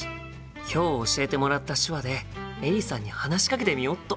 今日教えてもらった手話でエリさんに話しかけてみよっと！